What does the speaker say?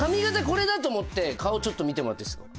これだと思って顔ちょっと見てもらっていいですか？